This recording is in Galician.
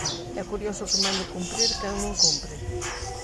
É curioso que mande cumprir quen non cumpre.